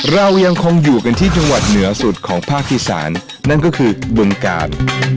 เรายังคงอยู่กันที่จังหวัดเหนือสุดของภาคอีสานนั่นก็คือบึงกาล